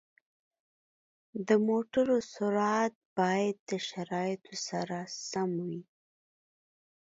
د موټرو سرعت باید د شرایطو سره سم وي.